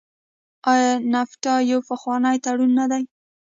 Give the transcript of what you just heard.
آیا نفټا یو پخوانی تړون نه و؟